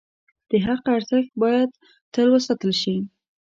د حق ارزښت باید تل وساتل شي.